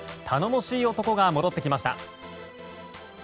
頼もしい男が戻ってきました。